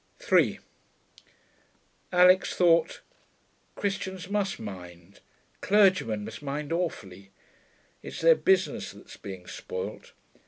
3 Alix thought, 'Christians must mind. Clergymen must mind awfully. It's their business that's being spoilt.